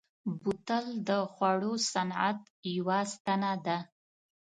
بوتل د خوړو صنعت یوه ستنه ده.